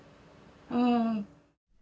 うん。